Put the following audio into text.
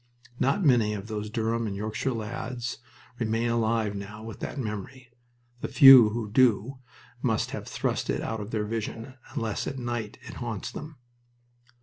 Not many of those Durham and Yorkshire lads remain alive now with that memory. The few who do must have thrust it out of their vision, unless at night it haunts them.